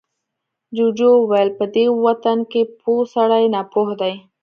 جوجو وويل، په دې وطن کې پوه سړی ناپوه دی.